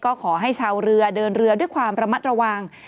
ก็ขอให้ชาวเรือเดินเรือด้วยความระมัดระวัง